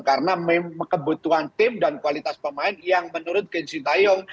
karena memang kebutuhan tim dan kualitas pemain yang menurut coach sintayong